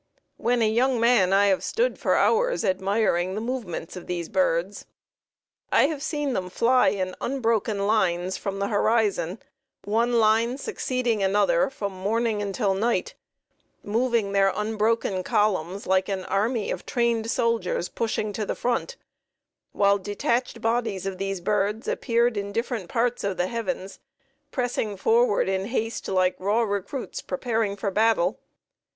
When a young man I have stood for hours admiring the movements of these birds. I have seen them fly in unbroken lines from the horizon, one line succeeding another from morning until night, moving their unbroken columns like an army of trained soldiers pushing to the front, while detached bodies of these birds appeared in different parts of the heavens, pressing forward in haste like raw recruits preparing for battle.